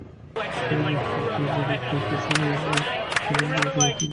প্রথম টাই টেস্টটি সফররত ওয়েস্ট ইন্ডিজ বনাম স্বাগতিক অস্ট্রেলিয়ার মধ্যে সংঘটিত হয়েছিল।